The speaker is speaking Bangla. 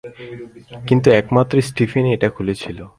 কিন্তু একমাত্র স্টিফেনই এটা খুলেছিল।